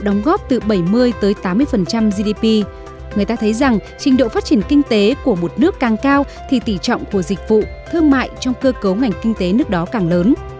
người gdp người ta thấy rằng trình độ phát triển kinh tế của một nước càng cao thì tỷ trọng của dịch vụ thương mại trong cơ cấu ngành kinh tế nước đó càng lớn